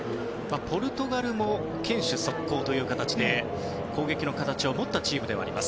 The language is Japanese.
ポルトガルも堅守速攻という形で攻撃の形を持ったチームであります。